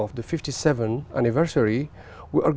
rất quan trọng